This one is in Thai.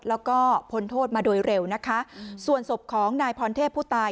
แล้วก็พ้นโทษมาโดยเร็วนะคะส่วนศพของนายพรเทพผู้ตาย